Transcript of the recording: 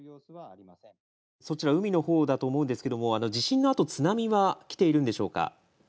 そちら、海の方だと思うんですけども地震のあと津波はきているんでしょうか。